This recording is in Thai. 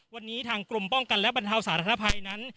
วันนี้ทางกรมป้องกันและบรรเทาสาธารณภัยนั้น